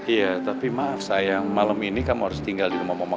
iya tapi maaf sayang malam ini kamu harus tinggal di rumah mama